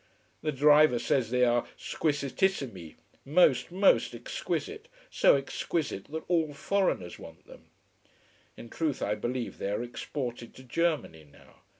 The driver says they are squisitissimi most, most exquisite so exquisite that all foreigners want them. In truth I believe they are exported to Germany now.